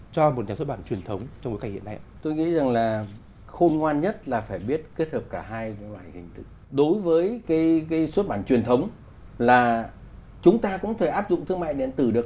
cái xuất bản truyền thống là chúng ta cũng có thể áp dụng thương mại điện tử được